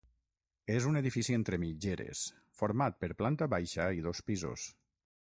És un edifici entre mitgeres, format per planta baixa i dos pisos.